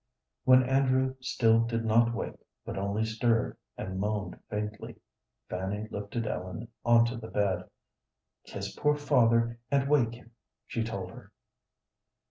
When Andrew still did not wake, but only stirred, and moaned faintly, Fanny lifted Ellen onto the bed. "Kiss poor father, and wake him," she told her.